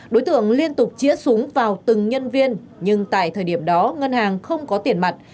đối tượng liên tục chĩa súng vào từng nhân viên nhưng tại thời điểm đó ngân hàng không có tiền mặt